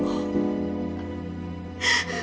ibu sangat ingin tahu